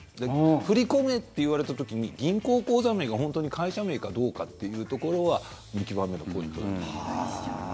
振り込めって言われた時に銀行口座名が本当に会社名かどうかというところは見極めるポイントだと思います。